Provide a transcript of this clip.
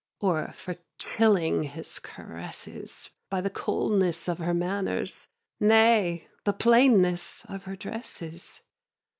Or for chilling his caresses By the coldness of her manners, Nay, the plainness of her dresses?